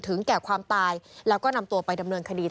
แก่ความตายแล้วก็นำตัวไปดำเนินคดี